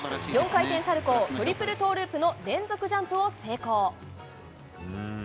４回転サルコー、トリプルトーループの連続ジャンプを成功。